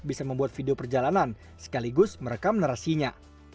bisa membuat video perjalanan sekaligus merekam narasinya